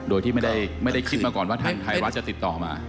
โดยที่ไม่ได้คิดมาก่อนว่าทางไทยรัฐจะติดต่อมา